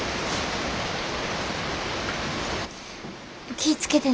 気ぃ付けてな。